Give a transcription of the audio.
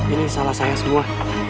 ini salah saya semua